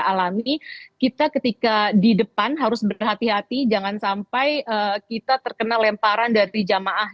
alami kita ketika di depan harus berhati hati jangan sampai kita terkena lemparan dari jamaah